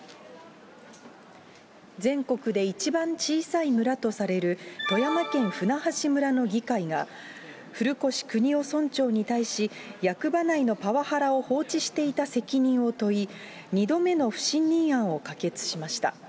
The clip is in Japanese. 全国で一番小さい村とされる、富山県舟橋村の議会が、ふるこしくにお村長に対し、役場内のパワハラを放置していた責任を問い、２度目の不信任案を可決しました。